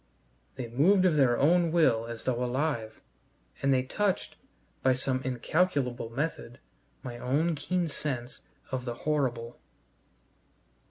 They moved of their own will as though alive, and they touched, by some incalculable method, my own keen sense of the horrible.